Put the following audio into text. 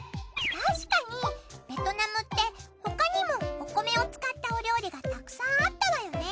確かにベトナムって他にもお米を使ったお料理がたくさんあったわよね。